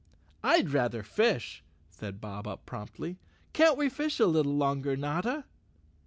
"I'd rather fish," said Bob Up promptly. " Can't we fish a little longer, Notta?"